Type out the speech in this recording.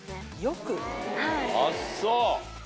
あっそう。